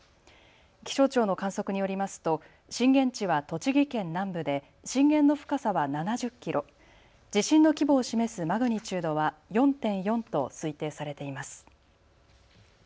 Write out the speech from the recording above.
気象庁の観測によりますと震源地は栃木県南部で震源の深さは７０キロ地震の規模を示すマグニチュードは４．４と推定されています。